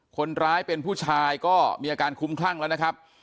คนร้ายเป็นผู้ชายก็มีอาการคุ้มคลั่งแล้วนะครับ